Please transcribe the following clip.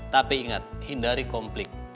tapi ingat hindari konflik